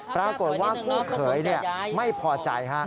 ปรากฏว่าคู่เขยไม่พอใจ